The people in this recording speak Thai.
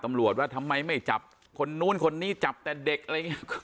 ว่าทำไมไม่จับคนนู้นคนนี้จับแต่เด็กอะไรอย่างนี้